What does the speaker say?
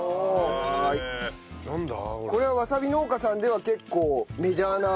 これはわさび農家さんでは結構メジャーな？